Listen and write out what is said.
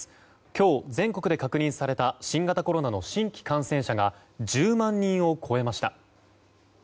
今日、全国で確認された新型コロナの新規感染者が１０万人を超えました。